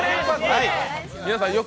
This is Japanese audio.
皆さん